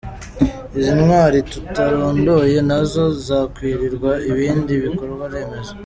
Izindi ntwari tutarondoye nazo zakwitirirwa ibindi bikorwa remezo.